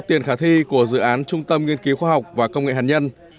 tiền khả thi của dự án trung tâm nghiên cứu khoa học và công nghệ hạt nhân